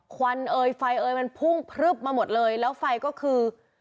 ควันเอยไฟเอยมันพุ่งพลึบมาหมดเลยแล้วไฟก็คือ